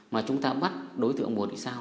mà chúng ta bắt đối tượng mùa thị sao